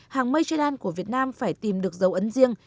hàng mây tre đan của việt nam phải tìm được dấu ấn riêng